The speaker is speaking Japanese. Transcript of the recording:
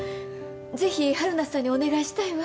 ぜひ春菜さんにお願いしたいわ。